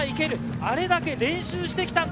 あれだけ練習してきたんだ！